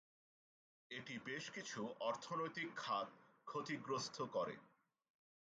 এটি বেশ কিছু অর্থনৈতিক খাত ক্ষতিগ্রস্ত করে।